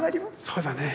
そうだねぇ。